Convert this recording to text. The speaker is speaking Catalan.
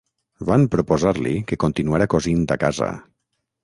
Van proposar-li que continuara cosint a casa.